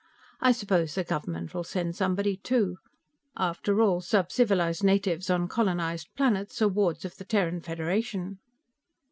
I suppose the government'll send somebody, too. After all, subcivilized natives on colonized planets are wards of the Terran Federation."